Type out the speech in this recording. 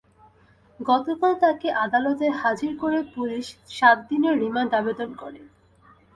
গতকাল তাঁকে আদালতে হাজির করে পুলিশ সাত দিনের রিমান্ড আবেদন করে।